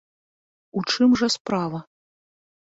У чым жа справа?